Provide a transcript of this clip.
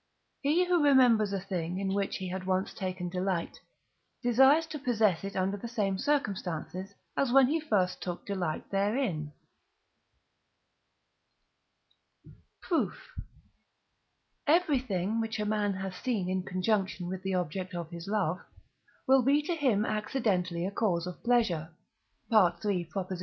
He who remembers a thing, in which he has once taken delight, desires to possess it under the same circumstances as when he first took delight therein. Proof. Everything, which a man has seen in conjunction with the object of his love, will be to him accidentally a cause of pleasure (III.